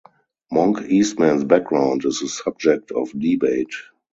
Monk Eastman's background is a subject of debate.